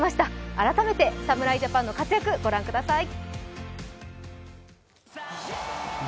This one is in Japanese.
改めて侍ジャパンの活躍ご覧ください。